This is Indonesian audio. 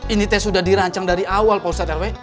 ini tes udah dirancang dari awal pak ustadz rw